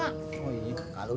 kalau dia lewat langsung digeruk